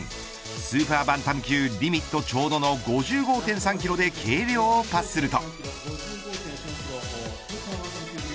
スーパーバンタム級リミットちょうどの５５．３キロで計量をパスすると。